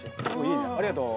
ありがとう。